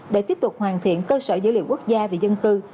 để tiếp tục hoàn thiện cơ sở dữ liệu quốc gia về dân cư